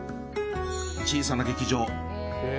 小さな劇場。